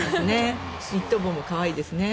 ニット帽も可愛いですね。